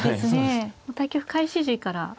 対局開始時から。